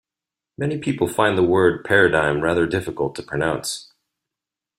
Many people find the word paradigm rather difficult to pronounce